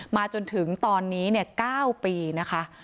จนถึงตอนนี้๙ปีนะคะ